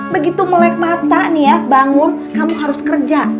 begitu melek mata nih ya bangun kamu harus kerja